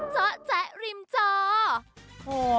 เจาะแจ๊ะริมจอ